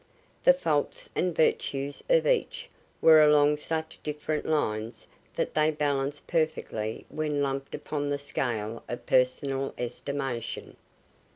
The faults and virtues of each were along such different lines that they balanced perfectly when lumped upon the scale of personal estimation.